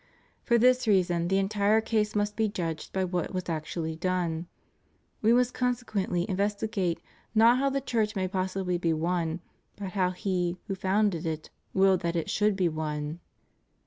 For this reason the entire case must be judged by what was actually done. We must consequently investigate not how the Church may possibly be one, but how He, who founded it, willed that it should be one.